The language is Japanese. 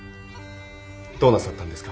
どうなさったんですか？